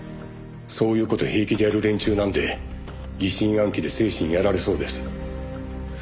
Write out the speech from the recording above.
「そういう事平気でやる連中なんで疑心暗鬼で精神やられそうです」